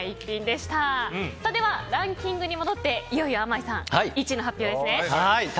では、ランキングに戻っていよいよ、あまいさん１位の発表です。